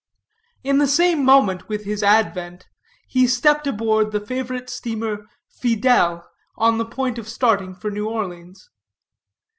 In the same moment with his advent, he stepped aboard the favorite steamer Fidèle, on the point of starting for New Orleans.